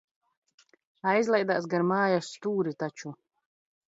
Aizlaidās gar mājas stūri taču.